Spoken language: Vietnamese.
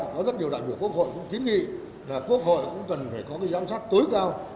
có rất nhiều đại biểu quốc hội cũng kiến nghị là quốc hội cũng cần phải có cái giám sát tối cao